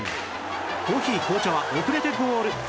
コーヒー紅茶は遅れてゴール